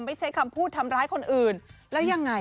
ไม่ใช่คำพูดทำร้ายคนอื่นแล้วยังไง